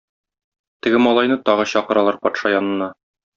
Теге малайны тагы чакыралар патша янына.